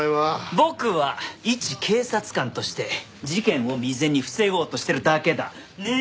僕はいち警察官として事件を未然に防ごうとしてるだけだ！ねえ？